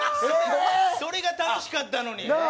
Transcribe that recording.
それが楽しかったのになあ